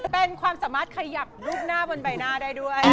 เป็นความสามารถขยับรูปหน้าบนใบหน้าได้ด้วย